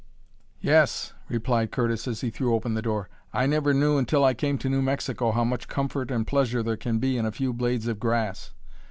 '" "Yes," replied Curtis as he threw open the door. "I never knew until I came to New Mexico how much comfort and pleasure there can be in a few blades of grass.